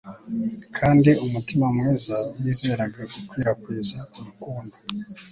kandi umutima mwiza wizeraga gukwirakwiza urukundo